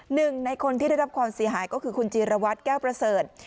หนึ่งในคนที่ได้รับความเสียหายก็คือคุณจีรวัตรแก้วประเสริฐ